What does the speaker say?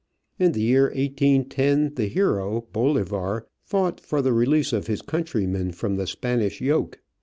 In the year 18 10, the hero, Bolivar, fought for the release of his countrymen from the Spanish yoke.